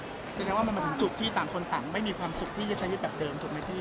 คุณหมายถึงจบที่ต่างคนต่างไม่มีความสุขที่จะใช้อยู่แบบเดิมถูกไหมพี่